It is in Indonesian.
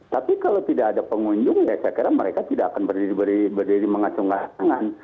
tapi kalau tidak ada pengunjung ya saya kira mereka tidak akan berdiri mengacungkan tangan